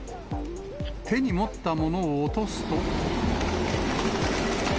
手に持ったものを落とすと。